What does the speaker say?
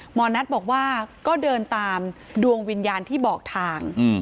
หมอนัทบอกว่าก็เดินตามดวงวิญญาณที่บอกทาง